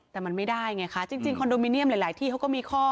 แต่มันไม่ได้ไงคะจริงคอนโดมิเนียมหลายที่เขาก็มีข้อ